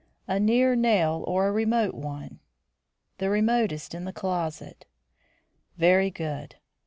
"A near nail or a remote one?" "The remotest in the closet." "Very good.